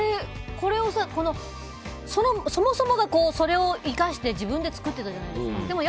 そもそもがそれを生かして自分で作ってたじゃないですか。